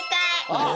あっ！